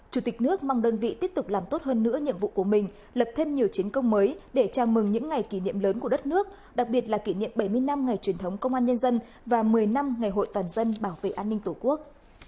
chủ tịch nước mong đơn vị tiếp tục làm tốt hơn nữa nhiệm vụ của mình lập thêm nhiều chiến công mới để chào mừng những ngày kỷ niệm lớn của đất nước đặc biệt là kỷ niệm bảy mươi năm ngày truyền thống công an nhân dân và một mươi năm ngày hội toàn dân bảo vệ an ninh tổ quốc